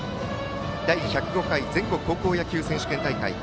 第１０５回全国高校野球選手権大会。